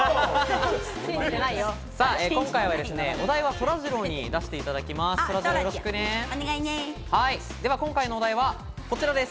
お題は、そらジローに出していただきます。